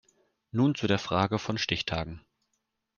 Nun zu der Frage von Stichtagen.